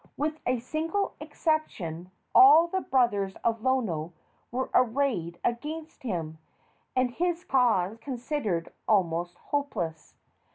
With a single exception, all the brothers of Lono were arrayed against him, and his cause was considered almost hopeless.